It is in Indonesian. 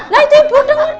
nah itu ibu denger